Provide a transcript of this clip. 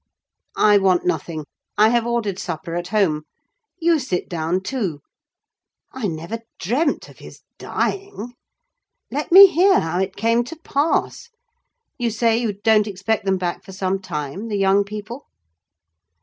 "I want nothing: I have ordered supper at home. You sit down too. I never dreamt of his dying! Let me hear how it came to pass. You say you don't expect them back for some time—the young people?"